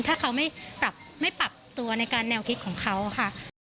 ถ้าเขาไม่ปรับตัวในการแนวคิดของเขาค่ะ